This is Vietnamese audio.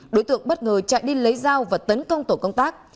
đối tượng bất ngờ chạy đi lấy dao và tấn công tổ công tác